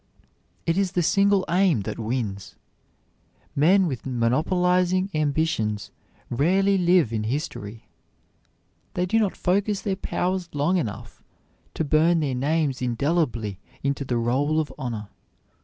It is the single aim that wins. Men with monopolizing ambitions rarely live in history. They do not focus their powers long enough to burn their names indelibly into the roll of honor.